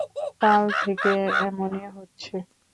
কাল থেকে এমনি হচ্ছে।